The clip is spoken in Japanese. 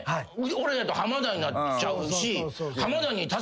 俺やと浜田になっちゃうし。